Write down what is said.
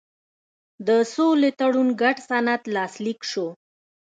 د سولې تړون ګډ سند لاسلیک شو.